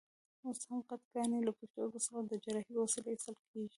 اوس هم غټ کاڼي له پښتورګو څخه د جراحۍ په وسیله ایستل کېږي.